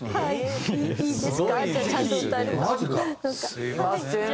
すみません。